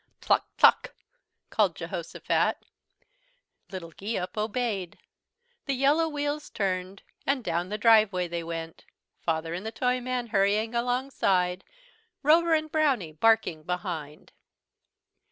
"Tluck, tluck," called Jehosophat. Little Geeup obeyed. The yellow wheels turned, and down the driveway they went, Father and the Toyman hurrying alongside, Rover and Brownie barking behind.